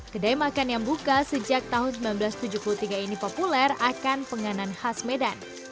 kedai makan yang buka sejak tahun seribu sembilan ratus tujuh puluh tiga ini populer akan penganan khas medan